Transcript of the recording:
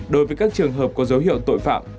đối với các trường hợp có dấu hiệu tội phạm